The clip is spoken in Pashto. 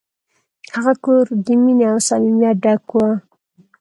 هغه کور د مینې او صمیمیت ډک و.